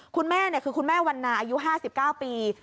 คุณแม่คือคุณแม่วันนาอายุ๕๙ปี